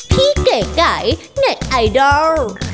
พี่แก่เน็ตไอดอล